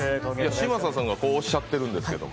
嶋佐さんがこうおっしゃってるんですけど。